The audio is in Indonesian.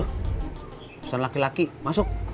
pesan laki laki masuk